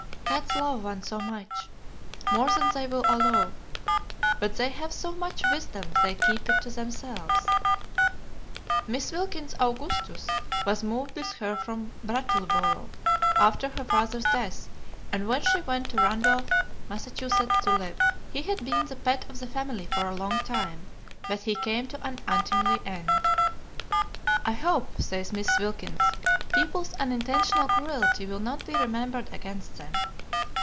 Cats love one so much: more than they will allow; but they have so much wisdom they keep it to themselves." Miss Wilkins's "Augustus" was moved with her from Brattleboro, Vt., after her father's death and when she went to Randolph, Mass., to live. He had been the pet of the family for a long time, but he came to an untimely end. "I hope," says Miss Wilkins, "people's unintentional cruelty will not be remembered against them."